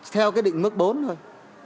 theo cái định mức bốn thôi